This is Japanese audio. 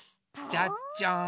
じゃじゃん！